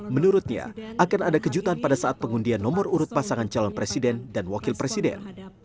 menurutnya akan ada kejutan pada saat pengundian nomor urut pasangan calon presiden dan wakil presiden